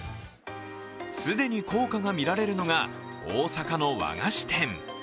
既に効果がみられるのが大阪の和菓子店。